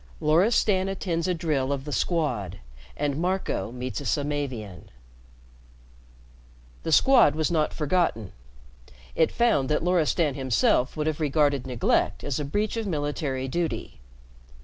XIII LORISTAN ATTENDS A DRILL OF THE SQUAD, AND MARCO MEETS A SAMAVIAN The Squad was not forgotten. It found that Loristan himself would have regarded neglect as a breach of military duty.